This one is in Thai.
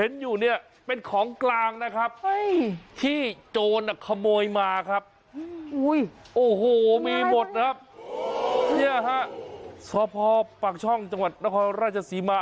ลาวเตอร์ไวเล็กก็เอาเนี้ยสองหน้าก็เอามา